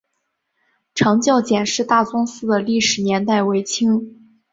长教简氏大宗祠的历史年代为清。